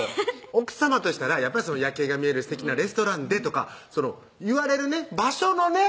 奥さまとしたらやっぱり夜景が見えるすてきなレストランでとか言われる場所のね